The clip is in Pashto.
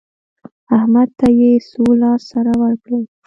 احمد ته يې څو لاس سره ورکړل؟